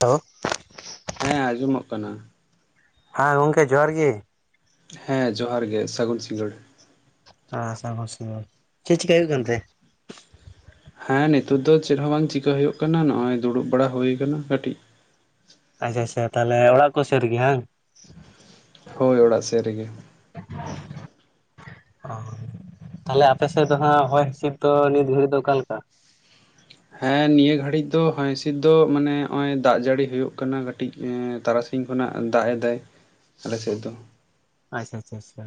ᱛᱚ ᱦᱮᱸ ᱟᱸᱡᱚᱢᱚᱜ ᱠᱟᱱᱟ ᱦᱮᱸ ᱜᱚᱝᱠᱮ ᱡᱚᱦᱟᱨ ᱜᱮ ᱦᱮᱸ ᱡᱚᱦᱟᱨ ᱜᱮ ᱥᱟᱹᱜᱩᱱ ᱥᱤᱸᱜᱟᱹᱲ ᱦᱮ ᱥᱟᱹᱜᱩᱱ ᱥᱤᱸᱜᱟᱹᱲ, ᱪᱮᱜ ᱪᱤᱠᱟᱹᱭ ᱦᱩᱭᱩᱜ ᱠᱟᱱ ᱛᱟᱦᱮ ᱦᱮᱸ ᱱᱤᱛᱳᱜ ᱫᱚ ᱪᱮᱫ ᱦᱚᱸ ᱵᱟᱝ ᱪᱤᱠᱟ ᱦᱳᱭᱳᱜ ᱠᱟᱱᱟ, ᱱᱚᱜ-ᱚᱭ ᱫᱩᱲᱩᱵ ᱵᱟᱲᱟ ᱦᱳᱭ ᱠᱟᱱᱟ ᱠᱟᱹᱴᱤᱡ ᱟᱪᱪᱷᱟ ᱟᱪᱪᱷᱟ ᱛᱟᱦᱚᱞᱮ ᱚᱲᱟᱜ ᱠᱚ ᱥᱮᱜ ᱨᱮᱜᱮ ᱵᱟᱝ ᱦᱳᱭ ᱚᱲᱟᱜ ᱥᱮᱜ ᱨᱮᱜᱮ ᱚ ᱛᱟᱦᱞᱮ ᱟᱯᱮ ᱥᱮᱫ ᱫᱚ ᱦᱟᱜ ᱦᱚᱭ ᱦᱤᱥᱤᱫ ᱫᱚ ᱱᱤᱛ ᱜᱷᱟᱹᱲᱤᱡ ᱫᱚ ᱚᱠᱟ ᱞᱮᱠᱟ ᱦᱮᱸ ᱱᱤᱭᱟᱹ ᱜᱷᱟᱹᱲᱤᱡ ᱫᱚ ᱦᱚᱭ ᱦᱤᱥᱤᱫ ᱫᱚ ᱢᱟᱱᱮ ᱦᱚᱜ-ᱚᱭ, ᱫᱟᱜ ᱡᱟᱹᱲᱤ ᱦᱳᱭᱳᱜ ᱠᱟᱱᱟ ᱠᱟᱹᱴᱤᱡ ᱛᱟᱨᱟᱥᱤᱧ [unintelligible] ᱠᱷᱚᱱᱟᱜ ᱫᱟᱜ ᱮᱫᱟᱭ ᱟᱞᱮᱥᱮᱫ ᱫᱚ ᱟᱪᱪᱷᱟ ᱟᱪᱪᱷᱟ,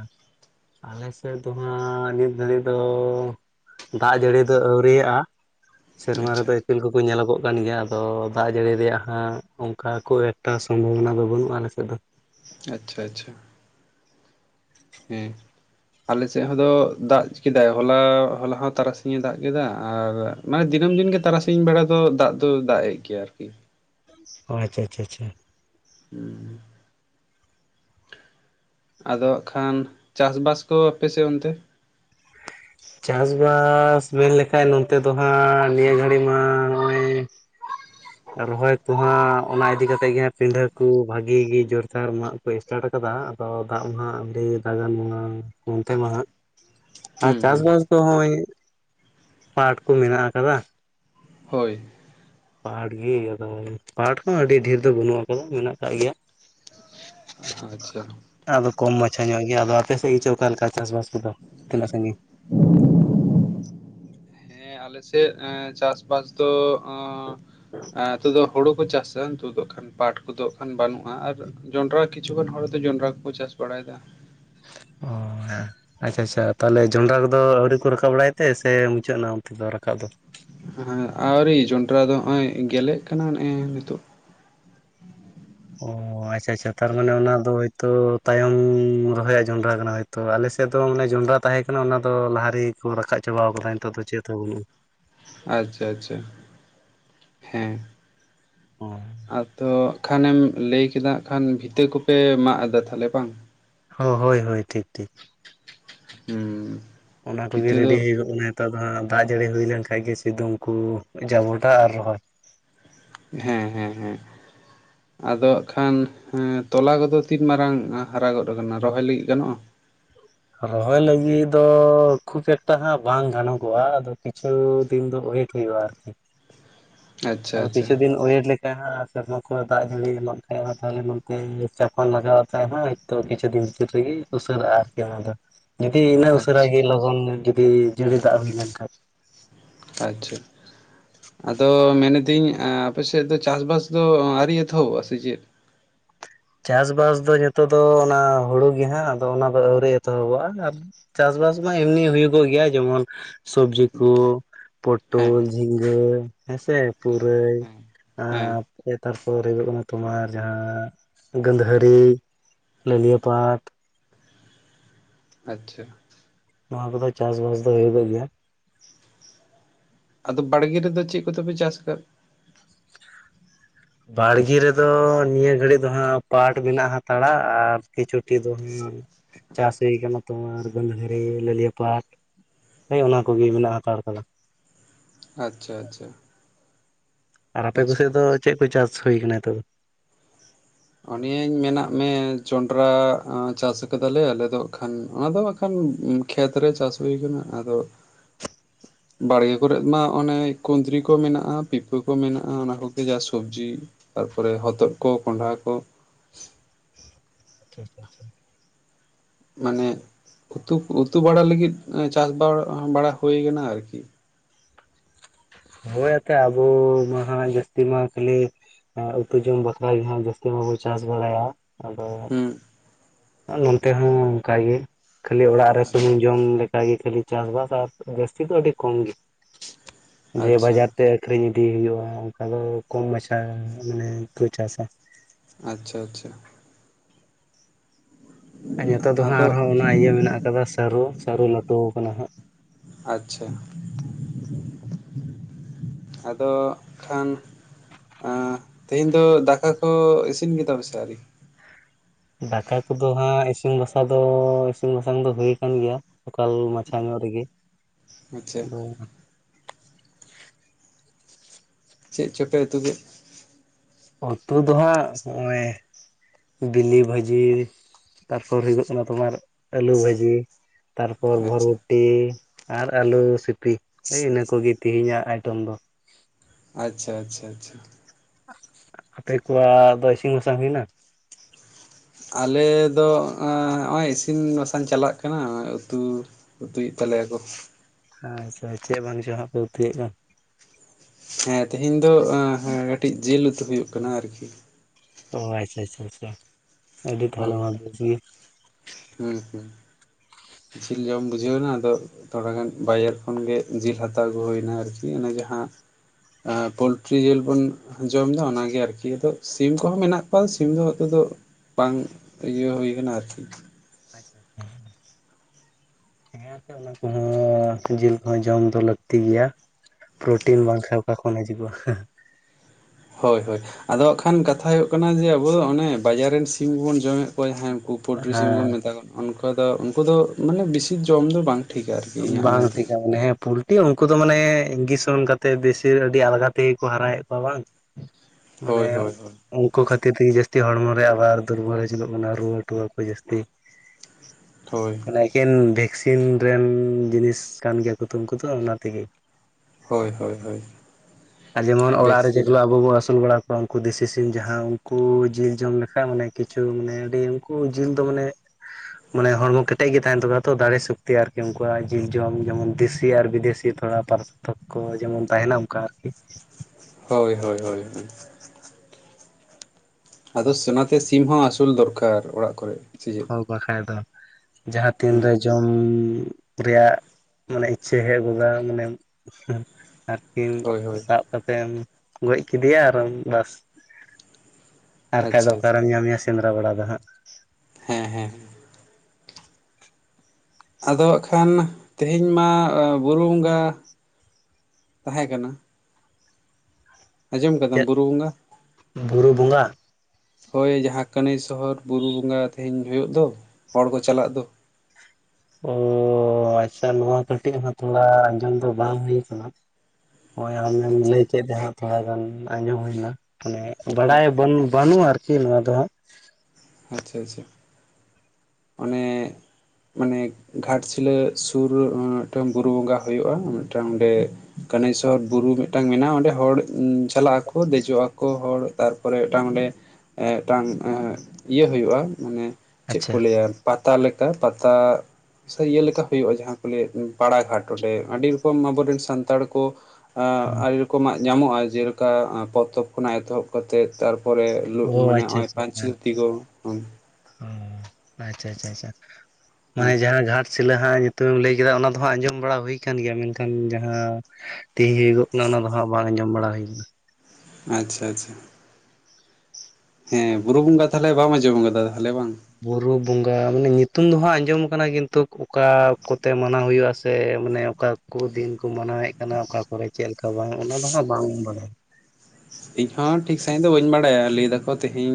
ᱟᱞᱮ ᱥᱮᱫ ᱫᱚ ᱦᱟᱸᱜ ᱱᱤᱛ ᱫᱷᱟᱹᱲᱤ ᱫᱚ ᱫᱟᱜ ᱡᱟᱹᱲᱤ ᱫᱚ ᱟᱹᱣᱨᱤᱭᱟᱜᱼᱟ ᱥᱮᱨᱢᱟ ᱟᱪᱪᱷᱟ ᱨᱮᱫᱚ ᱤᱯᱤᱞ ᱠᱚᱠᱚ ᱧᱮᱞᱚᱜᱚᱜ ᱠᱟᱱ ᱜᱮᱭᱟ, ᱟᱫᱚ ᱫᱟᱜ ᱡᱟᱹᱲᱤ ᱨᱮᱭᱟᱜ ᱦᱟᱸᱜ ᱚᱱᱠᱟ ᱠᱷᱩᱵᱽ ᱮᱠᱴᱟ ᱥᱚᱢᱵᱷᱚᱵᱚᱱᱟ ᱫᱚ ᱵᱟᱹᱱᱩᱜᱼᱟ ᱟᱞᱮᱥᱮᱫ ᱫᱚ ᱟᱪᱪᱷᱟ ᱟᱪᱪᱷᱟ ᱦᱮᱸ ᱟᱞᱮ ᱥᱮᱫ ᱦᱚᱸ ᱫᱚ ᱫᱟᱜ ᱠᱮᱫᱟᱭ ᱦᱚᱞᱟ ᱦᱚᱞᱟ ᱦᱚᱸ ᱛᱟᱨᱟᱥᱤᱧ ᱮ ᱫᱟᱜ ᱠᱮᱫᱟ ᱟᱨᱼᱼ ᱢᱟᱱᱮ ᱫᱤᱱᱟᱹᱢ ᱫᱤᱱ ᱜᱮ ᱛᱟᱨᱟᱥᱤᱧ ᱵᱮᱲᱟ ᱫᱚ ᱫᱟᱜ ᱫᱚ ᱫᱟᱜ ᱮᱜ ᱜᱮᱭᱟ ᱟᱨᱠᱤ᱾ ᱚ ᱟᱪᱪᱷᱟ ᱟᱪᱪᱷᱟ ᱟᱪᱪᱷᱟ ᱦᱩᱸ ᱟᱫᱚ ᱠᱷᱟᱱ ᱪᱟᱥ ᱵᱟᱥ ᱠᱚ ᱟᱯᱮ ᱥᱮᱫ ᱚᱱᱛᱮ ᱪᱟᱥ ᱵᱟᱥ ᱢᱮᱱ ᱞᱮᱠᱷᱟᱱ ᱱᱚᱱᱛᱮ ᱫᱚ ᱦᱟᱸᱜ ᱱᱤᱭᱟᱹ ᱜᱷᱟᱹᱲᱤᱡ ᱢᱟ ᱱᱚᱜᱼᱚᱭ [inaudible] ᱨᱚᱦᱚᱭ ᱛᱚ ᱦᱟᱸᱜ ᱚᱱᱟ ᱤᱫᱤ ᱠᱟᱛᱮ ᱜᱮ ᱯᱤᱰᱷᱟᱹ ᱠᱩ ᱵᱷᱟᱹᱜᱤ ᱜᱮ ᱡᱚᱨᱥᱟᱨ ᱮᱢᱟᱜ [unintelligible] ᱮᱥᱴᱟᱴ ᱟᱠᱟᱫᱟ ᱟᱫᱚ ᱫᱟᱜ ᱢᱟᱜ ᱟᱹᱰᱤ ᱫᱟᱜᱟᱱ ᱱᱚᱣᱟ ᱚᱱᱛᱮ ᱢᱟ ᱦᱟᱸᱜ ᱟᱨ ᱦᱩᱸ ᱪᱟᱥ ᱦᱩᱸ ᱵᱟᱥ ᱠᱚ ᱦᱚᱸᱜᱼᱚᱭ ᱯᱟᱴ ᱠᱚ ᱢᱮᱱᱟᱜ ᱟᱠᱟᱫᱟ ᱦᱳᱭ ᱯᱟᱴ ᱜᱮ ᱟᱫᱚ ᱯᱟᱴ ᱦᱚᱸ ᱟᱹᱰᱤ ᱰᱷᱮᱨ ᱫᱚ ᱵᱟᱹᱱᱩᱜ ᱟᱠᱟᱫᱟ ᱢᱮᱱᱟᱜ ᱟᱠᱟᱜ ᱜᱮᱭᱟ ᱟᱪᱪᱷᱟ ᱟᱫᱚ ᱠᱚᱢ ᱢᱟᱪᱷᱟ ᱧᱚᱜ ᱜᱮᱭᱟ ᱟᱫᱚ ᱟᱯᱮ ᱥᱮᱫ ᱜᱮᱪᱚ ᱚᱠᱟ ᱞᱮᱠᱟ ᱪᱟᱥ ᱵᱟᱥ ᱠᱚᱫᱚ ᱛᱤᱱᱟᱹᱜ ᱥᱟᱹᱜᱤᱧᱼᱼ [inaudible] ᱦᱮᱸ ᱟᱞᱮ ᱥᱮᱫ ᱮᱸ ᱪᱟᱥ ᱵᱟᱥ ᱫᱚᱼᱼ ᱟᱻ ᱱᱤᱛᱚ ᱫᱚ ᱦᱳᱲᱳ ᱠᱚ ᱪᱟᱥᱟ ᱱᱤᱛᱳ ᱫᱚ ᱠᱷᱟᱱ ᱯᱟᱴ ᱠᱚᱫᱚ ᱠᱷᱟᱱ ᱵᱟᱹᱱᱩᱜ ᱢᱟ ᱟᱨ ᱡᱚᱱᱰᱨᱟ ᱠᱤᱪᱷᱩᱜᱟᱱ ᱦᱚᱲ ᱫᱚ ᱡᱚᱸᱰᱨᱟ ᱠᱚ ᱪᱟᱥ ᱵᱟᱲᱟᱭ ᱫᱟ᱾ ᱚ ᱚᱱᱟ ᱟᱪᱪᱷᱟ ᱟᱪᱪᱷᱟ ᱛᱟᱦᱚᱞᱮ ᱡᱚᱸᱰᱨᱟ ᱠᱚᱫᱚ ᱟᱹᱣᱨᱤ ᱠᱚ ᱨᱟᱠᱟᱵ ᱵᱟᱲᱟᱭᱟ ᱛᱮ ᱥᱮ ᱢᱩᱪᱟᱹᱫ ᱮᱱᱟ ᱚᱱᱛᱮ ᱫᱚ ᱨᱟᱠᱟᱵ ᱫᱚᱼᱼ ᱦᱮᱸ ᱟᱹᱣᱨᱤ ᱡᱚᱸᱰᱨᱟ ᱫᱚ ᱱᱚᱭᱚᱭ ᱜᱮᱞᱮᱜ ᱠᱟᱱᱟ ᱱᱮ ᱱᱤᱛᱳᱜᱼᱼ ᱚ ᱟᱪᱪᱷᱟ ᱟᱪᱪᱷᱟ ᱛᱟᱨᱢᱟᱱᱮ ᱚᱱᱟ ᱫᱚ ᱦᱳᱭᱛᱚ ᱛᱟᱭᱚᱢ ᱨᱚᱦᱚᱭᱟᱜ ᱡᱚᱸᱰᱨᱟ ᱠᱟᱱᱟ ᱦᱚᱭᱛᱚ ᱟᱞᱮ ᱥᱮᱫ ᱫᱚ ᱢᱟᱱᱮ ᱡᱚᱸᱰᱨᱟ ᱛᱟᱦᱮᱸ ᱠᱟᱱᱟ ᱚᱱᱟ ᱫᱚ ᱞᱟᱦᱟᱨᱮ ᱦᱩ ᱨᱚᱦᱚᱭ ᱨᱟᱠᱟᱵ ᱪᱟᱵᱟᱣ ᱠᱟᱫᱟᱭ ᱱᱤᱛᱚᱜ ᱫᱚ ᱪᱮᱫ ᱦᱚᱸ ᱵᱟᱹᱱᱩᱜᱼᱟ ᱟᱪᱪᱷᱟ ᱟᱪᱪᱷᱟ ᱦᱮᱸᱼᱼ ᱦᱚᱸ ᱟᱫᱚ ᱠᱷᱟᱱᱮᱢ ᱞᱟᱹᱭ ᱠᱮᱫᱟ ᱟᱠᱷᱟᱱ ᱵᱷᱤᱛᱟᱹ ᱠᱚᱯᱮ ᱢᱟᱜ ᱮᱫᱟ ᱛᱟᱦᱚᱞᱮ ᱵᱟᱝ? ᱦᱚ ᱦᱳᱭ ᱦᱳᱭ ᱴᱷᱤᱠ ᱴᱷᱤᱠ ᱦᱩᱸ ᱚᱱᱟ ᱠᱚᱜᱮ ᱵᱷᱤᱛᱟᱹ ᱫᱚ ᱨᱮᱰᱤ ᱦᱩᱭᱩᱜ ᱢᱮᱱᱮᱛ ᱱᱮᱛᱟᱨ ᱫᱚ ᱦᱟᱸᱜ ᱫᱟᱜ ᱡᱟᱹᱲᱤ ᱦᱩᱭ ᱞᱮᱱ ᱠᱷᱟᱡ ᱜᱮ ᱥᱤᱛᱩᱝ ᱠᱩ ᱡᱟᱵᱚᱰᱟ ᱟᱨ ᱨᱚᱦᱚᱭ ᱦᱮᱸ ᱦᱮᱸ ᱦᱮᱸ ᱟᱫᱚ ᱦᱟᱜ ᱠᱷᱟᱱ ᱦᱮᱸ ᱛᱚᱞᱟ ᱠᱚᱫᱚ ᱛᱤᱱ ᱢᱟᱨᱟᱝ ᱦᱟᱨᱟ ᱜᱚᱫ ᱠᱟᱱᱟ ᱨᱚᱦᱚᱭ ᱞᱟᱹᱜᱤᱫ ᱜᱟᱱᱚᱜᱼᱟ? ᱨᱚᱦᱚᱭ ᱞᱟᱹᱜᱤᱫ ᱫᱚ ᱠᱷᱩᱵ ᱮᱠᱴᱟ ᱦᱟᱸᱜ ᱵᱟᱝ ᱜᱟᱱᱚᱜᱚᱜᱼᱟ ᱟᱫᱚ ᱠᱤᱼᱼ ᱪᱷᱩ ᱫᱤᱱ ᱫᱚ ᱚᱭᱮᱴ ᱦᱩᱭᱩᱜᱼᱟ ᱟᱨᱠᱤ ᱟᱪᱪᱷᱟ ᱟᱫᱚ ᱟᱪᱪᱷᱟ ᱠᱤᱪᱷᱩ ᱫᱤᱱ ᱚᱭᱮᱴ ᱞᱮᱼᱼ [unintelligible] ᱥᱮᱨᱢᱟ ᱠᱷᱚᱡ ᱫᱟᱜ ᱡᱟᱹᱲᱤ ᱮᱢᱟᱜ ᱠᱷᱟᱡ ᱛᱟᱦᱚᱞᱮ ᱱᱚᱛᱮ ᱪᱟᱯᱟᱱ ᱞᱟᱜᱟᱣ ᱛᱟᱭ ᱦᱟᱸᱜ- ᱛᱚ ᱠᱤᱪᱷᱩ ᱫᱤᱱ ᱵᱷᱤᱛᱨᱤ ᱨᱮᱜᱤ ᱩᱥᱟᱹᱨᱟᱜᱼᱟ ᱟᱨᱠᱤ ᱚᱱᱟ ᱫᱚ᱾ ᱡᱩᱫᱤ ᱤᱱᱟᱹᱜ ᱩᱥᱟᱹᱨᱟ ᱟᱪᱪᱷᱟ ᱜᱮ ᱞᱚᱜᱚᱱ ᱡᱩᱫᱤ ᱡᱟᱹᱲᱤ ᱫᱟᱜ ᱦᱩᱭ ᱞᱮᱱ ᱠᱷᱟᱡ ᱟᱪᱪᱷᱟ ᱟᱫᱚ ᱢᱮᱱ ᱤᱫᱤᱧ ᱮᱸ ᱟᱯᱮ ᱥᱮᱫ ᱫᱚ ᱪᱟᱥ ᱵᱟᱥ ᱫᱚ ᱟᱹᱣᱨᱤ ᱮᱛᱚᱦᱚᱵᱚᱜᱼᱟ ᱥᱮ ᱪᱮᱫ? ᱪᱟᱥ ᱵᱟᱥ ᱫᱚ ᱱᱤᱛᱚᱜ ᱫᱚ ᱚᱱᱟ ᱦᱩᱲᱩ ᱜᱮ ᱦᱟᱸᱜ ᱟᱫᱚ ᱚᱱᱟ ᱫᱚ ᱟᱹᱣᱨᱤ ᱮᱛᱚᱦᱚᱵᱚᱜᱼᱟ ᱟᱨᱼᱼ ᱪᱟᱥ ᱵᱟᱥ ᱢᱟ ᱮᱢᱱᱤ ᱦᱩᱭᱩᱜᱚᱜ ᱜᱮᱭᱟ ᱡᱮᱢᱚᱱ ᱥᱚᱵᱡᱤ ᱠᱩ ᱦᱮᱸ ᱯᱚᱴᱚᱞ, ᱡᱷᱤᱸᱜᱟᱹ ᱦᱮᱸᱥᱮ ᱦᱮᱸ ᱯᱩᱨᱟᱹᱭ ᱦᱮᱸ ᱦᱮᱸ ᱮ ᱛᱟᱨᱯᱚᱨᱮ ᱜᱮ ᱦᱩᱭᱩᱜ ᱠᱟᱱᱟ ᱛᱳᱢᱟᱨ ᱡᱟᱦᱟᱸ ᱜᱟᱹᱫᱷᱟᱹᱨᱤ ᱞᱟᱹᱞᱭᱟᱹ ᱯᱟᱴ ᱟᱪᱪᱷᱟ ᱱᱚᱣᱟ ᱠᱚ ᱫᱚ ᱪᱟᱥ ᱵᱟᱥ ᱫᱚ ᱦᱩᱭᱩᱜᱚᱜ ᱜᱮᱭᱟ ᱟᱫᱚ ᱵᱟᱲᱜᱮ ᱨᱮᱫᱚ ᱪᱮᱫ ᱠᱚᱫᱚ ᱯᱮ ᱪᱟᱥ ᱠᱟᱫ? ᱵᱟᱲᱜᱮ ᱨᱮᱫᱚ ᱱᱤᱭᱟᱹ ᱜᱷᱟᱹᱲᱤᱡ ᱫᱚ ᱦᱟᱸᱜ ᱯᱟᱴ ᱢᱮᱱᱟᱜᱼᱟ ᱦᱟᱛᱟᱲᱟᱜ ᱟᱨ ᱠᱤᱪᱷᱩᱴᱤ ᱫᱚ ᱦᱟᱸᱜ ᱪᱟᱥ ᱦᱩᱭ ᱟᱠᱟᱱᱟ ᱛᱳᱢᱟᱨ ᱜᱟᱹᱫᱷᱟᱹᱨᱤ ᱞᱟᱹᱞᱭᱟ. ᱯᱟᱴ ᱦᱮᱸ ᱚᱱᱟ ᱠᱚᱜᱮ ᱢᱮᱱᱟᱜ ᱦᱟᱛᱟᱲ ᱠᱟᱱᱟᱫᱟ ᱟᱪᱪᱷᱟ ᱟᱪᱪᱷᱟ ᱟᱨ ᱟᱯᱮ ᱟᱪᱪᱷᱟ ᱠᱚᱥᱮᱫ ᱫᱚ ᱪᱮᱫ ᱠᱚ ᱪᱟᱥ ᱦᱩᱭ ᱟᱠᱟᱱᱟᱟᱱᱟ ᱱᱤᱛᱳᱜ ᱫᱚ ᱱᱤᱭᱟᱹ ᱢᱮᱱᱟᱜ ᱢᱮ ᱡᱚᱱᱰᱨᱟ ᱪᱟᱥ ᱠᱟᱫᱟᱞᱮ ᱟᱞᱮ ᱫᱚ ᱦᱜ ᱠᱷᱟᱱ ᱚᱱᱟ ᱫᱚ ᱦ ᱠᱷᱟᱱ ᱠᱷᱮᱛᱨᱮ ᱪᱟᱥ ᱦᱩᱭ ᱟᱠᱟᱱᱟ ᱟᱫᱚ ᱵᱟᱲᱜᱮ ᱠᱚᱨᱮᱫ ᱢᱟ ᱚᱱᱮ ᱠᱩᱸᱫᱽᱨᱤ ᱠᱚ ᱢᱮᱱᱟᱜᱼᱟ ᱯᱤᱯᱟᱹ ᱠᱚ ᱢᱮᱱᱟᱜᱼᱟ ᱚᱱᱟ ᱠᱚᱜᱮ ᱡᱟ ᱥᱚᱵᱡᱤ ᱛᱟᱨᱯᱚᱨᱮ ᱦᱚᱛᱚᱫ ᱠᱚ ᱠᱚᱸᱰᱷᱟ ᱠᱚ ᱟᱪᱷᱟ ᱟᱪᱷᱟ ᱟᱪᱷᱟ ᱢᱟᱱᱮ ᱩᱛᱩ ᱩᱛᱩ ᱵᱟᱲᱟ ᱞᱟᱹᱜᱤᱫ ᱪᱟᱥ ᱵᱟ ᱵᱟᱲᱟ ᱦᱩᱭ ᱟᱠᱟᱱᱟ ᱟᱨᱠᱤ ᱦᱳᱭ ᱮᱱᱛᱮ ᱟᱵᱚ ᱢᱟ ᱦᱟᱸ ᱡᱟᱹᱥᱛᱤ ᱢᱟ ᱠᱷᱟᱹᱞᱤᱼᱼ ᱦᱮᱸ ᱩᱛᱩ ᱡᱚᱢ ᱵᱟᱠᱷᱨᱟ ᱜᱮ ᱦᱟᱸᱜ ᱡᱟᱹᱥᱛᱤ ᱢᱟᱵᱚ ᱪᱟᱥ ᱵᱟᱲᱟᱭᱟ ᱟᱫᱚ ᱦᱩᱸ ᱱᱚᱱᱛᱮ ᱦᱚᱸ ᱚᱝᱠᱟᱜ ᱜᱮ ᱠᱷᱟᱹᱞᱤ ᱚᱲᱟᱜ ᱥᱩᱱᱩᱢ ᱟᱪᱪᱷᱟ ᱡᱚᱢ ᱞᱮᱠᱟᱜ ᱜᱮ ᱠᱷᱟᱹᱞᱤ ᱪᱟᱥᱵᱟᱥ ᱟᱨ ᱡᱟᱹᱥᱛᱤ ᱫᱚ ᱟᱹᱰᱤ ᱠᱚᱢ ᱜᱮ ᱡᱮ ᱟᱪᱪᱷᱟ ᱵᱟᱡᱟᱨ ᱛᱮ ᱟᱠᱷᱨᱤᱧ ᱤᱫᱤ ᱦᱩᱭᱩᱜᱼᱟ ᱚᱱᱠᱟ ᱫᱚ ᱠᱚᱢ ᱢᱟᱪᱷᱟ ᱢᱟᱱᱮ ᱠᱚ ᱪᱟᱥᱟ ᱟᱪᱪᱷᱟ ᱟᱪᱪᱷᱟ ᱟᱨ ᱱᱤᱛᱚᱜ ᱫᱚ ᱦᱟᱸᱜ ᱟᱫᱚ ᱟᱨᱦᱚᱸ ᱚᱱᱟ ᱤᱭᱟᱹ ᱢᱮᱱᱟᱜ ᱟᱠᱟᱫᱟ ᱥᱟᱹᱨᱩ ᱥᱟᱹᱨᱩ ᱞᱟᱹᱴᱩ ᱟᱠᱟᱱᱟ ᱦᱟᱸᱜ ᱟᱪᱪᱷᱟ ᱟᱫᱚ ᱠᱷᱟᱱ ᱛᱮᱦᱮᱧ ᱫᱚ ᱫᱟᱠᱟ ᱠᱚ ᱤᱥᱤᱱ ᱜᱮᱫᱟ ᱯᱮ ᱥᱮ ᱟᱣᱨᱤ ᱫᱟᱠᱟ ᱠᱚᱫᱚ ᱦᱟᱸᱜ ᱤᱥᱤᱱ ᱵᱟᱥᱟᱝ ᱫᱚ ᱤᱥᱤᱱ ᱵᱟᱥᱟᱝ ᱫᱚ ᱦᱩᱭ ᱟᱠᱟᱱ ᱜᱮᱭᱟ ᱥᱚᱠᱟᱞ ᱢᱟᱪᱷᱟ ᱧᱚᱜ ᱨᱮᱜᱮ ᱟᱪᱪᱷᱟ ᱟᱫᱚ ᱪᱮᱫ ᱪᱚᱯᱮ ᱩᱛᱩ ᱠᱮᱫ ᱩᱛᱩ ᱫᱚ ᱦᱟᱸᱜ ᱱᱚᱜᱼᱚᱭ ᱵᱤᱞᱤ ᱵᱷᱟᱹᱡᱤ ᱛᱟᱨᱯᱚᱨ ᱦᱩᱭᱩᱜ ᱠᱟᱱᱟ ᱛᱳᱢᱟᱨ ᱟᱹᱞᱩ ᱵᱷᱟᱹᱡᱤ ᱛᱟᱨᱯᱚᱨ ᱟᱪᱪᱷᱟ ᱵᱷᱚᱨᱵᱚᱴᱤ ᱟᱨ ᱟᱞᱩ ᱥᱤᱯᱤ ᱮᱭ ᱤᱱᱟᱹ ᱠᱚᱜᱮ ᱛᱮᱦᱮᱧᱟᱜ ᱟᱭᱴᱮᱚᱢ ᱫᱚ ᱟᱪᱪᱷᱟ ᱟᱪᱪᱷᱟ ᱟᱪᱪᱷᱟ ᱟᱯᱮ ᱠᱚᱣᱟᱜ ᱫᱚ ᱤᱥᱤᱱ ᱵᱟᱥᱟᱝ ᱦᱩᱭᱱᱟ ᱟᱞᱮ ᱫᱚ ᱱᱚᱜᱼᱚᱭ ᱤᱥᱤᱱ ᱵᱟᱥᱟᱝ ᱪᱟᱞᱟᱜ ᱠᱟᱱᱟ ᱩᱛᱩ ᱩᱛᱩᱭᱮᱫ ᱛᱟᱞᱮᱭᱟ ᱠᱚ ᱟᱪᱪᱷᱟ ᱪᱮᱫ ᱵᱟᱝᱟᱱᱪᱚ ᱦᱟᱸᱜ ᱯᱮ ᱩᱛᱩᱭᱮᱫ ᱠᱟᱱ ᱦᱮᱸ ᱛᱮᱦᱮᱧ ᱫᱚ ᱠᱟᱹᱴᱤᱡ ᱡᱤᱞ ᱩᱛᱩ ᱦᱩᱭᱩᱜ ᱠᱟᱱᱟ ᱟᱨᱠᱤ ᱚ ᱟᱪᱪᱷᱟ ᱟᱪᱪᱷᱟ ᱟᱪᱪᱷᱟ ᱟᱹᱰᱤ ᱛᱟᱦᱞᱮ ᱦᱳᱭ ᱢᱟᱡᱽ ᱜᱮ ᱦᱩᱸ ᱡᱤᱞ ᱡᱚᱢ ᱵᱩᱡᱷᱟᱹᱣ ᱮᱱᱟ ᱟᱫᱚ ᱛᱷᱚᱲᱟ ᱜᱟᱱ ᱵᱟᱡᱟᱨ ᱠᱷᱚᱱ ᱜᱮ ᱡᱤᱞ ᱦᱟᱛᱟᱣ ᱟᱹᱜᱩ ᱦᱩᱭᱱᱟ ᱟᱨᱠᱤ ᱚᱱᱟ ᱡᱟᱦᱟᱸ ᱯᱳᱞᱴᱨᱤ ᱡᱤᱞ ᱵᱚᱱ ᱡᱚᱢ ᱫᱚ ᱚᱱᱟ ᱜᱮ ᱟᱨᱠᱤ ᱟᱫᱚ ᱥᱤᱢ ᱠᱚᱦᱚᱸ ᱢᱮᱱᱟᱜ ᱠᱚᱣᱟ ᱥᱤᱢ ᱫᱚ ᱦᱟᱜ ᱫᱚ ᱵᱟᱝ ᱤᱭᱟᱹ ᱦᱩᱭ ᱟᱠᱟᱱᱟ ᱟᱨᱠᱤ ᱟᱪ ᱦᱮᱸᱛᱮ ᱚᱱᱟ ᱠᱚᱦᱚᱸ ᱡᱤᱞ ᱠᱚᱦᱚᱸ ᱡᱚᱢ ᱫᱚ ᱞᱟᱹᱠᱛᱤ ᱜᱮᱭᱟ ᱯᱨᱚᱴᱤᱱ ᱵᱟᱝᱠᱷᱟᱱ ᱚᱠᱟ ᱠᱷᱚᱱ ᱦᱤᱡᱩᱜᱼᱟ ᱦᱳᱭ ᱦᱳᱭ ᱟᱫᱚ ᱦᱟᱸᱜ ᱠᱷᱟᱱ ᱠᱟᱛᱷᱟ ᱠᱟᱱᱟ ᱡᱮ ᱟᱵᱚ ᱫᱚ ᱚᱱᱮ ᱵᱟᱡᱟᱨ ᱨᱮᱱ ᱥᱤᱢ ᱠᱚᱵᱚᱱ ᱡᱚᱢᱮᱫ ᱠᱚᱣᱟ ᱦᱮ ᱩᱱᱠᱩ ᱯᱚᱞᱴᱨᱤ ᱥᱤᱢ ᱵᱚᱱ ᱦᱮᱸ ᱢᱮᱛᱟ ᱠᱚᱣᱟ ᱚᱱᱠᱟ ᱫᱚ ᱩᱱᱠᱩ ᱫᱚ ᱢᱟᱱᱮ ᱵᱤᱥᱤ ᱡᱚᱢ ᱫᱚ ᱵᱟᱝ ᱴᱷᱤᱠᱟ ᱟᱨᱠᱤ ᱤᱧᱟᱹᱜ ᱵᱟᱝ ᱢᱮᱱ ᱛᱮᱫᱚ ᱴᱷᱤᱠᱟ ᱢᱟᱱᱮ ᱦᱮᱸ ᱯᱩ ᱢᱤ ᱩᱱᱠᱩ ᱫᱚ ᱢᱟᱱᱮ ᱤᱱᱜᱤᱥᱚᱱ ᱠᱟᱛᱮ ᱵᱮᱥᱤᱨ ᱟᱹᱰᱤ ᱟᱞᱜᱟ ᱛᱮᱜᱮ ᱠᱚ ᱦᱟᱨᱟᱭᱮᱫ ᱠᱚᱣᱟ ᱵᱟᱝ ᱢᱟᱱᱮ ᱦᱳᱭ ᱦᱳᱭ ᱦᱳᱭ ᱩᱱᱠᱩ ᱠᱷᱟᱹᱛᱤᱨ ᱛᱮᱜᱮ ᱡᱟᱹᱥᱛᱤ ᱦᱚᱲᱢᱚ ᱨᱮ ᱟᱵᱟᱨ ᱫᱩᱨᱵᱚᱞ ᱦᱤᱡᱩᱜᱚᱜ ᱠᱟᱱᱟ ᱨᱩᱣᱟᱹ ᱴᱩᱣᱟᱹ ᱠᱚ ᱡᱟᱹᱥᱛᱤ ᱦᱳᱭ ᱚᱱᱟ ᱮᱠᱮᱱ ᱵᱷᱮᱠᱥᱤᱱ ᱨᱮᱱ ᱡᱤᱱᱤᱥ ᱠᱟᱱ ᱜᱮᱭᱟ ᱠᱚᱛᱚ ᱩᱱᱠᱩ ᱫᱚ ᱚᱱᱟ ᱛᱮᱜᱮ ᱦᱳᱭ ᱦᱳᱭ ᱦᱳᱭ ᱟᱨ ᱡᱮᱢᱚᱱ ᱚᱲᱟᱜ ᱵᱮᱥ ᱨᱮ ᱟᱹ ᱟᱵᱚ ᱵᱚᱱ ᱟᱹᱥᱩᱞ ᱵᱟᱲᱟ ᱠᱚᱣᱟ ᱩᱱᱠᱩ ᱫᱤᱥᱮ ᱥᱤᱢ ᱡᱟᱦᱟᱸ ᱩᱱᱠᱩ ᱡᱤᱞ ᱡᱚᱢ ᱞᱮᱠᱟᱱ ᱢᱟᱱᱮ ᱠᱤᱪᱷᱩ [unintelligible] ᱢᱟᱱᱮ ᱟᱹᱰᱤ ᱩᱱᱠᱩ ᱡᱤᱞ ᱫᱚ ᱢᱟᱱᱮ ᱢᱟᱱᱮ ᱦᱚᱲᱢᱚ ᱠᱮᱴᱮᱡ ᱜᱮ ᱛᱟᱦᱮᱸᱱ ᱛᱟᱵᱚᱱᱟ ᱛᱚ ᱫᱟᱲᱮ ᱥᱚᱠᱛᱤ ᱟᱨᱠᱤ ᱟᱠᱚᱣᱟᱜ ᱡᱤᱞ ᱡᱚᱢ ᱡᱮᱢᱚᱱ ᱫᱮᱥᱤ ᱟᱨ ᱵᱤᱫᱮᱥᱤ ᱛᱷᱚᱲᱟ ᱯᱟᱨᱛᱷᱚᱠᱠᱚ ᱠᱚ ᱡᱮᱢᱚᱱ ᱛᱟᱦᱮᱸᱱᱟ ᱚᱱᱠᱟ ᱟᱨᱠᱤ ᱦᱳᱭ ᱦᱳᱭ ᱦᱳᱭ ᱦᱳᱭ ᱟᱫᱚ ᱚᱱᱟᱱᱟ ᱛᱮ ᱥᱤᱢ ᱦᱚᱸ ᱟᱹᱥᱩᱞ ᱫᱚᱨᱠᱟᱨ ᱚᱲᱟᱜ ᱠᱚᱨᱮ ᱦᱚᱸ ᱥᱮ ᱪᱮᱫ ᱦᱚᱲ ᱵᱟᱠᱷᱟᱡ ᱫᱚ ᱡᱟᱦᱟᱸ ᱛᱤᱱ ᱦᱩᱸ ᱨᱮ ᱡᱚᱢ ᱨᱮᱭᱟᱜ ᱢᱟᱱᱮ ᱤᱪᱪᱷᱟᱹ ᱦᱮᱡ ᱜᱚᱫᱚ-ᱟ ᱢᱟᱱᱮ ᱟᱨᱠᱤᱢ ᱦᱳᱭ ᱦᱳᱭ ᱥᱟᱵ ᱠᱟᱛᱮᱢ ᱜᱚᱡ ᱠᱮᱫᱮᱭᱟ ᱟᱨᱮᱢ ᱵᱟᱥ ᱟᱨ ᱵᱟᱠᱟᱡ ᱫᱚ ᱟᱪᱪᱷᱟ ᱟᱪᱪᱷᱟ ᱚᱠᱟᱨᱮᱢ ᱧᱟᱢᱮᱭᱟ ᱥᱮᱸᱫᱽᱨᱟ ᱵᱟᱲᱟ ᱫᱚ ᱦᱟᱸᱜ ᱦᱮᱸ ᱦᱮᱸ ᱟᱫᱚ ᱦᱟᱸᱜ ᱠᱷᱟᱱ ᱛᱮᱦᱮᱧ ᱢᱟ ᱵᱩᱨᱩ ᱵᱚᱸᱜᱟ ᱛᱟᱦᱮᱸ ᱠᱟᱱᱟ ᱟᱡᱚᱢ ᱠᱟᱫᱟᱢ ᱪᱮᱫ ᱵᱩᱨᱩ ᱵᱚᱸᱜᱟ ᱵᱩᱨᱩ ᱵᱚᱸᱜᱟ ᱦᱳᱭ ᱡᱟᱦᱟᱸ ᱠᱟᱹᱱᱟᱹᱭ ᱥᱚᱦᱚᱨ ᱵᱩᱨᱩ ᱵᱚᱸᱜᱟ ᱛᱮᱦᱮᱧ ᱦᱩᱭᱩᱜ ᱫᱚ ᱦᱚᱲ ᱠᱚ ᱪᱟᱞᱟᱜ ᱫᱚ ᱚ ᱟᱪᱪᱷᱟ ᱱᱚᱣᱟ ᱠᱟᱹᱴᱤᱡ ᱦᱚᱸ ᱛᱷᱚᱲᱟ ᱟᱸᱡᱚᱢ ᱫᱚ ᱵᱟᱝ ᱦᱩᱭ ᱟᱠᱟᱱᱟ ᱦᱚᱸᱚᱭ ᱟᱢᱮᱢ ᱟᱪᱪᱷᱟ ᱞᱟᱹᱭ ᱠᱮᱫ ᱦᱜ ᱛᱷᱚᱲᱟ ᱜᱟᱱ ᱟᱸᱡᱚᱢ ᱦᱩᱭᱱᱟ ᱢᱟᱱᱮ ᱦᱳᱭ ᱵᱟᱲᱟᱭ ᱵᱟᱹᱱᱩᱜ-ᱟ ᱟᱨᱠᱤ ᱱᱚᱣᱟ ᱫᱚ ᱦᱟᱸᱜ ᱟᱪᱪᱷᱟ ᱟᱪᱪᱷᱟ ᱚᱱᱮ ᱢᱟᱱᱮ ᱜᱷᱟᱴᱥᱤᱞᱟᱹ ᱥᱩᱨ ᱢᱤᱫᱴᱟᱝ ᱵᱩᱨᱩ ᱵᱚᱸᱜᱟ ᱦᱩᱭᱩᱜ-ᱟ ᱢᱤᱫᱴᱟᱝ ᱚᱸᱰᱮ ᱠᱟᱱᱟᱭ ᱥᱚᱦᱚᱨ ᱵᱩᱨᱩ ᱢᱤᱫᱴᱟᱝ ᱢᱮᱱᱟᱜᱼᱟ ᱚᱸᱰᱮ ᱦᱚᱲ ᱪᱟᱞᱟᱜ ᱟᱠᱚ ᱫᱮᱡᱚᱜ ᱟᱠᱚ ᱦᱚᱲ ᱯᱚᱨᱮ ᱢᱤᱫᱴᱟᱝ ᱚᱸᱰᱮ ᱢᱤᱫᱴᱟᱝ ᱤᱭᱟᱹ ᱦᱩᱭᱩᱜᱼᱟ ᱢᱟᱱᱮ ᱪᱮᱫ ᱠᱚ ᱟᱪᱪᱷᱟ ᱞᱟᱹᱭᱟ ᱯᱟᱛᱟ ᱞᱮᱠᱟ ᱯᱟᱛᱟ ᱥᱮ ᱤᱭᱟᱹ ᱞᱮᱠᱟ ᱦᱩᱭᱩᱜᱼᱟ ᱡᱟᱦᱟᱸ ᱠᱚ ᱞᱟᱹ ᱯᱟᱲᱟᱜᱷᱟᱴ ᱚᱸᱰᱮ ᱟᱹᱰᱤ ᱨᱚᱠᱚᱢ ᱟᱵᱚᱨᱮᱱ ᱥᱟᱱᱛᱟᱲ ᱠᱚ ᱦᱮᱸ ᱟᱹᱰᱤ ᱨᱚᱠᱚᱢᱟᱜ ᱧᱟᱢᱚᱜᱼᱟ ᱡᱮᱞᱮᱠᱟ ᱯᱚᱛᱚᱵ ᱠᱷᱚᱱᱟᱜ ᱮᱛᱚᱦᱚᱵ ᱠᱟ ᱠᱟᱛᱮᱫ ᱛᱟᱨᱯᱚᱨᱮ ᱚ ᱢᱟᱱᱮ ᱟᱪᱪᱷᱟ ᱱᱚᱜᱼᱚᱭ ᱟᱪᱪᱷᱟ ᱦᱮᱸ ᱯᱟᱸᱪᱤᱫᱷᱩᱛᱤ ᱠᱚ ᱚ ᱟᱪᱪᱷᱟ ᱟᱪᱪᱷᱟ ᱟᱪᱪᱷᱟ ᱢᱟᱱᱮ ᱡᱟᱦᱟᱸ ᱜᱷᱟᱴ ᱥᱤᱞᱟᱹ ᱦᱟᱸᱜ ᱧᱩᱛᱩᱢ ᱮᱢ ᱞᱟᱹᱭ ᱠᱮᱫᱟ ᱚᱱᱟ ᱫᱚ ᱦᱟᱸᱜ ᱟᱸᱡᱚᱢ ᱵᱟᱲᱟ ᱦᱩᱭ ᱠᱟᱱ ᱜᱮᱭᱟ ᱢᱮᱱᱠᱷᱟᱱ ᱡᱟᱦᱟᱸ ᱛᱤᱥ ᱦᱩᱭᱩᱜᱚᱜ ᱠᱟᱱᱟ ᱚᱱᱟ ᱫᱚ ᱦᱟᱸᱜ ᱵᱟᱝ ᱟᱸᱡᱚᱢ ᱵᱟᱲᱟ ᱦᱩᱭ ᱟᱠᱟᱱᱟ ᱟᱪᱪᱷᱟ ᱟᱪᱪᱷᱟ ᱦᱮᱸ ᱵᱩᱨᱩ ᱵᱚᱸᱜᱟ ᱛᱟᱦᱚᱞᱮ ᱵᱟᱢ ᱟᱸᱡᱚᱢ ᱠᱟᱫᱟ ᱛᱟᱦᱚᱞᱮ ᱵᱟᱝ ᱵᱩᱨᱩ ᱵᱚᱸᱜᱟ ᱢᱟᱱᱮ ᱧᱩᱛᱩᱢ ᱫᱚ ᱦᱟᱸᱜ ᱟᱸᱡᱚᱢ ᱟᱠᱟᱱᱟ ᱠᱤᱱᱛᱩ ᱚᱠᱟ ᱠᱚᱛᱮ ᱢᱟᱱᱟᱣ ᱦᱩᱭᱩᱜᱼᱟ ᱥᱮ ᱢᱟᱱᱮ ᱚᱠᱟ ᱠᱚ ᱫᱤᱱ ᱠᱚ ᱢᱟᱱᱟᱣᱮᱫ ᱠᱟᱱᱟ ᱚᱠᱟ ᱠᱚᱨᱮ ᱪᱮᱫ ᱞᱮᱠᱟ ᱵᱟᱝ ᱚᱱᱟ ᱫᱚ ᱦᱟᱸᱜ ᱵᱟᱝ ᱵᱟᱲᱟᱭᱟ ᱤᱧ ᱦᱚᱸ ᱴᱷᱤᱠ ᱥᱟᱺᱦᱤᱡ ᱫᱚ ᱵᱟᱹᱧ ᱵᱟᱲᱟᱭᱟ ᱞᱟᱹᱭ ᱫᱟᱠᱚ ᱛᱮᱦᱮᱧ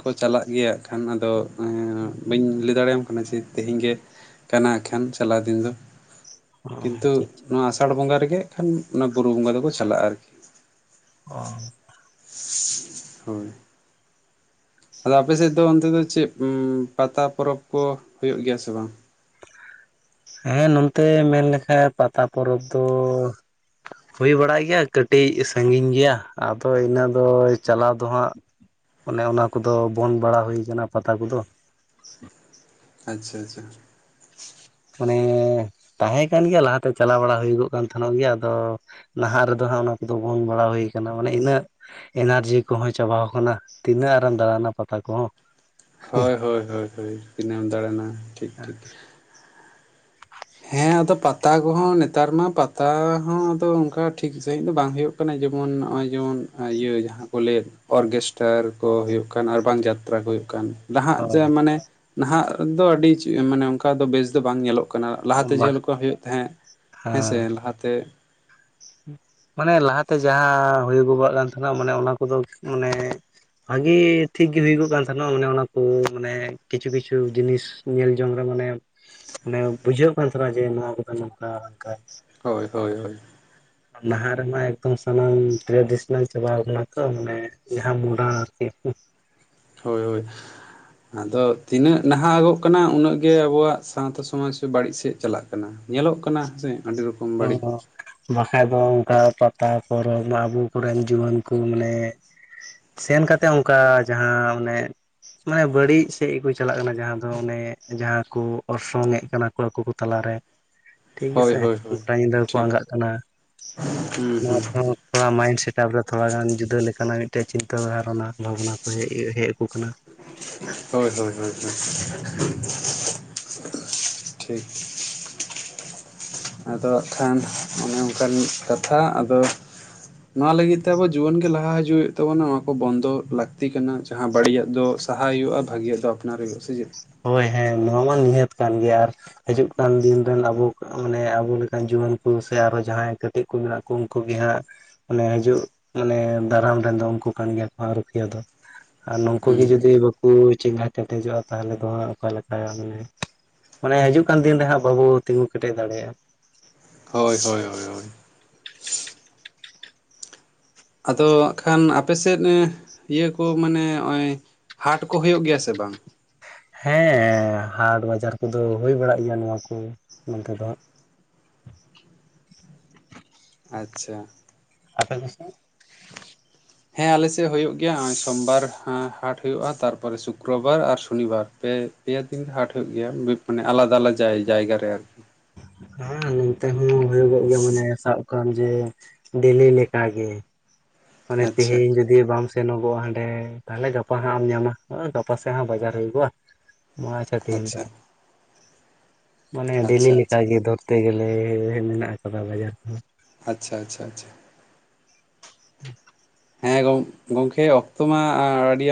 ᱠᱚ ᱪᱟᱞᱟᱜ ᱜᱮᱭᱟ ᱠᱷᱟᱱ ᱫᱚ ᱵᱟᱹᱧ ᱞᱟᱹᱭ ᱫᱟᱲᱮᱭᱟᱢ ᱠᱟᱱᱟ ᱡᱮ ᱛᱮᱦᱮᱧ ᱜᱮ ᱠᱟᱱᱟ ᱠᱷᱟᱱ ᱪᱟᱞᱟᱣ ᱫᱤᱱ ᱫᱚ ᱚ ᱠᱤᱱᱛᱩ ᱟᱪᱪᱷᱟ ᱱᱚᱣᱟ ᱟᱥᱟᱲ ᱵᱚᱸᱜᱟ ᱨᱮᱜᱮ ᱠᱷᱟᱱ ᱚᱱᱟ ᱵᱩᱨᱩ ᱵᱚᱸᱜᱟ ᱫᱚᱠᱚ ᱪᱟᱞᱟᱜᱼᱟ ᱟᱨᱠᱤ ᱚ ᱦᱳᱭ ᱟᱫᱚ ᱟᱯᱮᱥᱮᱫ ᱫᱚ ᱚᱱᱛᱮ ᱫᱚ ᱪᱮᱫ ᱯᱟᱛᱟ ᱯᱚᱨᱚᱵᱽ ᱠᱚ ᱦᱩᱭᱩᱜ ᱜᱮᱭᱟ ᱥᱮ ᱵᱟᱝ ᱦᱮᱸ ᱱᱚᱛᱮ ᱢᱮᱱ ᱞᱮᱠᱷᱟᱡ ᱯᱟᱛᱟ ᱯᱚᱨᱚᱵᱽ ᱫᱚ ᱦᱩᱭ ᱵᱟᱲᱟᱭ ᱜᱮᱭᱟ ᱠᱟᱹᱴᱤᱡ ᱥᱟᱺᱜᱤᱧ ᱜᱮᱭᱟ ᱟᱫᱚ ᱤᱱᱟᱹ ᱫᱚ ᱪᱟᱞᱟᱣ ᱫᱚᱦᱟᱸᱜ ᱚᱱᱮ ᱚᱱᱟ ᱠᱚᱫᱚ ᱵᱚᱱᱫᱽ ᱵᱟᱲᱟ ᱦᱩᱭ ᱟᱠᱟᱱᱟ ᱯᱟᱛᱟ ᱠᱚᱫᱚ ᱟᱪᱪᱷᱟ ᱟᱪᱪᱷᱟ ᱢᱟᱱᱮ ᱛᱟᱦᱮᱸ ᱠᱟᱱ ᱜᱮᱭᱟ ᱞᱟᱦᱟᱛᱮ ᱪᱟᱞᱟᱣ ᱵᱟᱲᱟ ᱦᱩᱭᱩᱜᱚᱜ ᱠᱟᱱ ᱛᱟᱦᱮᱱᱚᱜ ᱜᱮᱭᱟ ᱟᱫᱚ ᱱᱟᱦᱟᱜ ᱨᱮᱫᱚ ᱦᱟᱸᱜ ᱚᱱᱟ ᱠᱚᱫᱚ ᱵᱚᱱᱫᱽ ᱵᱟᱲᱟ ᱦᱩᱭ ᱠᱟᱱᱟ ᱢᱟᱱᱮ ᱤᱱᱟᱹᱜ ᱮᱱᱟᱨᱡᱤ ᱠᱚᱦᱚᱸ ᱪᱟᱵᱟᱟᱣ ᱠᱟᱱᱟ ᱛᱤᱱᱟᱹᱜ ᱟᱨᱮᱢ ᱫᱟᱲᱟᱱᱟ ᱯᱟᱛᱟ ᱠᱚᱦᱚᱸ ᱦᱳᱭ ᱦᱳᱭ ᱦᱳᱭ ᱦᱳᱭ ᱛᱤᱱᱟᱹᱜ ᱮᱢ ᱫᱟᱲᱟᱱᱟ ᱴᱷᱤᱠ ᱴᱷᱤᱠ ᱦᱮᱸ ᱟᱫᱚ ᱯᱟ ᱯᱟᱛᱟ ᱠᱚᱦᱚᱸ ᱱᱮᱛᱟᱨ ᱢᱟ ᱯᱟᱛᱟ ᱦᱚᱸ ᱟᱫᱚ ᱚᱱᱠᱟ ᱴᱷᱤᱠ ᱥᱟᱺᱦᱤᱡ ᱫᱚ ᱵᱟᱝ ᱦᱩᱭᱩᱜ ᱠᱟᱱᱟ ᱡᱮᱢᱚᱱ ᱱᱚᱜᱼᱚᱭ ᱡᱮᱢᱚᱱ ᱤᱭᱟᱹ ᱡᱟᱦᱟᱸ ᱠᱚ ᱞᱟᱹᱭᱮᱫ ᱚᱨᱠᱮᱥᱴᱟᱨ ᱠᱚ ᱦᱩᱭᱩᱜ ᱠᱟᱱ ᱟᱨ ᱵᱟᱝ ᱡᱟᱛᱨᱟ ᱠᱚ ᱦᱩᱭᱩᱜ ᱠᱟᱱ ᱱᱟᱦᱟᱜ ᱡᱮ ᱦᱳᱭ ᱢᱟᱱᱮ ᱱᱟᱦᱟᱜ ᱫᱚ ᱟᱹᱰᱤ ᱢᱟᱱᱮ ᱚᱱᱠᱟ ᱫᱚ ᱵᱮᱥ ᱫᱚ ᱵᱟᱝ ᱧᱮᱞᱚᱜ ᱠᱟᱱᱟ ᱞᱟᱦᱟᱛᱮ ᱵᱟ ᱡᱮᱞᱮᱠᱟ ᱦᱩᱭᱩᱜ ᱛᱟᱦᱮᱸ ᱦᱮᱸ ᱥᱮ ᱞᱟᱦᱟᱛᱮ ᱢᱟᱱᱮ ᱞᱟᱦᱟᱛᱮ ᱡᱟᱦᱟᱸ ᱦᱩᱭᱩᱜᱚᱜ ᱠᱟᱱ ᱛᱟᱦᱮᱱᱟ ᱢᱟᱱᱮ ᱚᱱᱟ ᱠᱚᱫᱚ ᱢᱟᱱᱮ ᱵᱷᱟᱜᱮ ᱴᱷᱤᱠᱜᱮ ᱦᱩᱭᱩᱜ ᱠᱚ ᱠᱟᱱ ᱛᱟᱦᱮᱱᱚᱜ ᱢᱟᱱᱮ ᱚᱱᱟᱠᱚ ᱢᱟᱱᱮ ᱠᱤᱪᱷᱩ ᱠᱤᱪᱷᱩ ᱡᱤᱱᱤᱥ ᱧᱮᱞ ᱡᱚᱝ ᱨᱮ ᱢᱟᱱᱮ ᱵᱩᱡᱷᱟᱹᱜ ᱠᱟᱱ ᱛᱟᱦᱮᱱᱟ ᱡᱮ ᱱᱚᱣᱟ ᱠᱚᱫᱚ ᱱᱚᱝᱠᱟ ᱦᱟᱱᱠᱟ ᱦᱳᱭ ᱦᱳᱭ ᱦᱳᱭ ᱱᱟᱦᱟᱜ ᱨᱮᱢᱟ ᱮᱠᱫᱚᱢ ᱥᱟᱱᱟᱢ ᱴᱨᱮᱰᱤᱥᱚᱱᱟᱞ ᱪᱟᱵᱟᱣ ᱠᱟᱱᱟ ᱛᱚ ᱢᱟᱱᱮ ᱡᱟᱦᱟᱸ ᱢᱚᱰᱚᱨᱱ ᱟᱨᱠᱤ ᱦᱳᱭ ᱦᱳᱭ ᱟᱫᱚ ᱛᱤᱱᱟᱹᱜ ᱱᱟᱦᱟᱜᱚᱜᱚᱜ ᱠᱟᱱᱟ ᱩᱱᱟᱹᱜ ᱜᱮ ᱟᱵᱚᱣᱟᱜ ᱥᱟᱶᱛᱟ ᱥᱚᱢᱟᱡᱽ ᱵᱟᱹᱲᱤᱡ ᱥᱮᱫ ᱪᱟᱞᱟᱜ ᱠᱟᱱᱟ ᱾ ᱧᱮᱞᱚᱜ ᱠᱟᱱᱟ ᱥᱮ ᱟᱹᱰᱤ ᱨᱚᱠᱚᱢ ᱚ ᱵᱟᱹᱲᱤᱡ ᱵᱟᱠᱷᱟᱡ ᱫᱚ ᱚᱱᱠᱟ ᱯᱟᱛᱟ ᱯᱚᱨᱚᱵᱽ ᱢᱟ ᱟᱵᱚ ᱠᱚᱨᱮᱱ ᱡᱩᱣᱟᱹᱱ ᱠᱚ ᱢᱟᱱᱮ ᱥᱮᱱ ᱠᱟᱛᱮ ᱚᱱᱠᱟ ᱡᱟᱦᱟᱸ ᱚᱱᱮ ᱢᱟᱱᱮ ᱵᱟᱹᱲᱤᱡ ᱥᱮᱫ ᱜᱮᱠᱚ ᱪᱟᱞᱟᱜ ᱠᱟᱱᱟ ᱡᱟᱦᱟᱸ ᱫᱚ ᱚᱱᱮ ᱡᱟᱦᱟᱸ ᱠᱚ ᱚᱨᱥᱚᱝ ᱮᱫ ᱠᱟᱱᱟ ᱠᱚᱲᱟ ᱠᱚᱠᱚ ᱛᱟᱞᱟᱨᱮ ᱴᱷᱤᱠ ᱦᱳᱭ ᱜᱮᱥᱮ ᱦᱳᱭ ᱦᱳᱭ ᱜᱚᱴᱟ ᱧᱤᱫᱟᱹᱠᱚ ᱴᱷᱤᱠ ᱟᱸᱜᱟᱜ ᱠᱟᱱᱟ ᱦᱩᱸ ᱱᱚᱣᱟ ᱦᱩᱸ ᱛᱮᱦᱚᱸ ᱛᱷᱚᱲᱟ ᱢᱟᱭᱤᱱᱰ ᱥᱮᱴᱟᱯ ᱨᱮ ᱛᱷᱚᱲᱟ ᱜᱟᱱ ᱡᱩᱫᱟᱹ ᱞᱮᱠᱟᱱᱟᱜ ᱢᱤᱫᱴᱮᱱ ᱪᱤᱱᱛᱟᱹ ᱵᱷᱟᱵᱱᱟ ᱵᱷᱟᱵᱱᱟ ᱠᱚ ᱦᱮᱡ ᱟᱠᱚ ᱠᱟᱱᱟ ᱾ ᱦᱳᱭ ᱦᱳᱭ ᱦᱳᱭ ᱴᱷᱤᱠ ᱟᱫᱚ ᱦᱟᱸᱜ ᱠᱷᱟᱱ ᱚᱱᱮ ᱚᱱᱠᱟᱱ ᱠᱟᱛᱷᱟ ᱟᱫᱚ ᱱᱚᱣᱟ ᱞᱟᱹᱜᱤᱫ ᱛᱮ ᱟᱵᱚ ᱡᱩᱣᱟᱹᱱ ᱜᱮ ᱞᱟᱦᱟ ᱦᱤᱡᱩᱜ ᱦᱩᱭᱩᱜ ᱛᱟᱵᱚᱱᱟ ᱱᱚᱣᱟ ᱠᱚ ᱵᱚᱱᱫᱚ ᱞᱟᱹᱠᱛᱤ ᱞᱟᱹᱠᱛᱤ ᱠᱟᱱᱟ ᱡᱟᱦᱟᱸ ᱵᱟᱹᱲᱤᱡᱟᱜ ᱫᱚ ᱥᱟᱦᱟ ᱦᱩᱭᱩᱜᱼᱟ ᱵᱷᱟᱹᱜᱤᱭᱟᱜ ᱫᱚ ᱟᱯᱱᱟᱨ ᱦᱩᱭᱩᱜᱼᱟ ᱥᱮ ᱪᱮᱫ ᱦᱳᱭ ᱦᱮᱸ ᱱᱚᱣᱟ ᱢᱟ ᱱᱤᱦᱟᱹᱛ ᱠᱟᱱ ᱜᱮᱭᱟ ᱟᱨ ᱦᱤᱡᱩᱜ ᱠᱟᱱ ᱫᱤᱱ ᱨᱮᱱ ᱟᱵᱚ ᱢᱟᱱᱮ ᱟᱵᱚ ᱞᱮᱠᱟᱱ ᱡᱩᱣᱟᱹᱱ ᱠᱚ ᱥᱮ ᱟᱨᱚ ᱡᱟᱦᱟᱸᱭ ᱪᱮᱫ ᱠᱚ ᱢᱮᱱᱟᱜ ᱠᱚ ᱩᱱᱠᱩ ᱜᱮ ᱦᱟᱸᱜ ᱚᱱᱮ ᱦᱤᱡᱩᱜ ᱢᱟᱱᱮ ᱫᱟᱨᱟᱢ ᱨᱮᱱ ᱫᱚ ᱩᱱᱠᱩ ᱠᱟᱱ ᱜᱮᱭᱟ ᱠᱚ ᱨᱩᱠᱷᱤᱭᱟᱹ ᱫᱚ ᱟᱨ ᱱᱩᱠᱩ ᱦᱩᱸ ᱜᱮ ᱡᱩᱫᱤ ᱵᱟᱠᱚ ᱪᱮᱸᱜᱷᱟ ᱠᱮᱴᱮᱡᱚᱜᱼᱟ ᱾ ᱛᱟᱦᱚᱞᱮ ᱫᱚ ᱦᱟᱸᱜ ᱚᱠᱟ ᱞᱮᱠᱟ ᱢᱟᱱᱮ ᱾ ᱢᱟᱱᱮ ᱦᱤᱡᱩᱜ ᱠᱟᱱ ᱫᱤᱱ ᱨᱮᱦᱟᱸᱜ ᱵᱟᱵᱚᱱ ᱛᱤᱸᱜᱩ ᱠᱮᱴᱮᱡ ᱫᱟᱲᱮᱭᱟᱜᱼᱟ ᱾ ᱦᱳᱭ ᱦᱳᱭ ᱦᱳᱭ ᱦᱳᱭ ᱟᱫᱚ ᱦᱟᱸᱜ ᱠᱷᱟᱱ ᱟᱯᱮ ᱥᱮᱫ ᱤᱭᱟᱹ ᱠᱚ ᱢᱟᱱᱮ ᱱᱚᱜᱼᱚᱭ ᱦᱟᱴ ᱠᱚ ᱦᱩᱭᱩᱜ ᱜᱮᱭᱟ ᱥᱮ ᱵᱟᱝ? ᱦᱮᱸ ᱦᱟᱴ ᱵᱟᱡᱟᱨ ᱠᱚᱫᱚ ᱦᱩᱭ ᱵᱟᱲᱟᱜ ᱜᱮᱭᱟ ᱱᱚᱣᱟ ᱠᱚ ᱱᱚᱛᱮ ᱫᱚ ᱦᱟᱸᱜ ᱟᱪᱪᱷᱟ ᱟᱯᱮ ᱠᱚ ᱥᱮᱫ ᱦᱮᱸ ᱟᱞᱮ ᱥᱮᱫ ᱦᱩᱭᱩᱜ ᱜᱮᱭᱟ ᱾ ᱱᱚᱜᱼᱚᱭ ᱥᱳᱚᱢᱵᱟᱨ ᱦᱟᱴ ᱦᱩᱭᱩᱜᱼᱟ ᱛᱟᱨᱯᱚᱨᱮ ᱥᱩᱠᱨᱚᱵᱟᱨ ᱟᱨ ᱥᱚᱱᱤᱵᱟᱨ ᱯᱮ ᱯᱮᱭᱟ ᱫᱤᱱ ᱦᱟᱴ ᱦᱩᱭᱩᱜ ᱜᱮᱭᱟ ᱢᱟᱱᱮ ᱟᱞᱟᱫᱟ ᱟᱞᱟᱫᱟ ᱡᱟᱭᱜᱟ ᱨᱮ ᱟᱨᱠᱤ ᱾ ᱦᱮᱸ ᱱᱚᱱᱛᱮ ᱦᱚᱸ ᱦᱩᱭᱩᱜᱚᱜ ᱜᱮᱭᱟ ᱢᱟᱱᱮ ᱥᱟᱵ ᱠᱟᱜ ᱢᱮ ᱡᱮ ᱰᱮᱞᱤ ᱞᱮᱠᱟ ᱜᱮ ᱾ ᱢᱟᱱᱮ ᱟᱪᱪᱷᱟ ᱛᱮᱦᱤᱧ ᱡᱩᱫᱤ ᱫᱤᱭᱤ ᱵᱟᱢ ᱥᱮᱱᱚᱜᱚᱜᱼᱟ ᱦᱟᱸᱰᱮ ᱛᱟᱦᱚᱞᱮ ᱜᱟᱯᱟ ᱦᱟᱸᱜ ᱮᱢ ᱧᱟᱢᱟ ᱜᱟᱯᱟ ᱥᱮᱫ ᱦᱚᱸ ᱵᱟᱡᱟᱨ ᱦᱩᱭᱩᱜᱚᱜᱼᱟ ᱾ [unintelligible] ᱴᱷᱤᱠ ᱟᱪᱪᱷᱟ [unintelligible] ᱢᱟᱱᱮ ᱰᱮᱞᱤ ᱟᱪᱪᱷᱟ ᱞᱮᱠᱟ ᱟᱪᱪᱷᱟ ᱜᱮ ᱫᱷᱚᱨᱛᱮ ᱜᱮᱞᱮ ᱢᱮᱱᱟᱜ ᱠᱟᱫᱟ ᱵᱟᱡᱟᱨ ᱠᱚ ᱾ ᱟᱪᱪᱷᱟ ᱟᱪᱪᱷᱟ ᱟᱪᱪᱷᱟ ᱾ [unintelligible] ᱦᱮᱸ ᱜᱚᱝᱠᱮ ᱚᱠᱛᱚ ᱢᱟ ᱟᱹᱰᱤᱭᱟᱱ